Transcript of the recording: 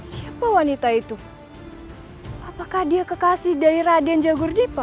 siapa wanita itu apakah dia kekasih dari raden jagur dipa